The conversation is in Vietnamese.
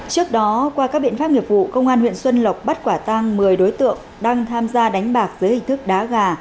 trước đó qua các biện pháp nghiệp vụ công an huyện xuân lộc bắt quả tang một mươi đối tượng đang tham gia đánh bạc dưới hình thức đá gà